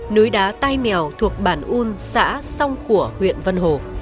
núi đá tai mèo thuộc bản un xã song khủa huyện vân hồ